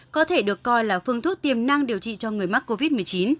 có thể được coi là phương thuốc tiềm năng điều trị cho người mắc covid một mươi chín